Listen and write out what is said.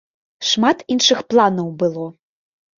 Шмат іншых планаў было.